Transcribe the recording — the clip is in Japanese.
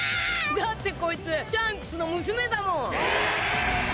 だって、こいつシャンクスの娘だもん。